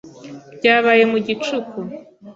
Byabaye mu gicuku.